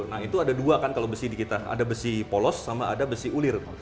nah itu ada dua kan kalau besi di kita ada besi polos sama ada besi ulir